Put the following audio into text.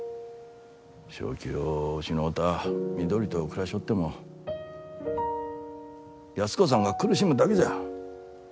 正気を失うた美都里と暮らしょおっても安子さんが苦しむだけじゃ。